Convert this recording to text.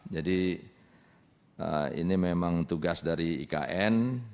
jadi ini memang tugas dari ikn